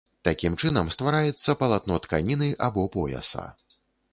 Такім чынам ствараецца палатно тканіны або пояса.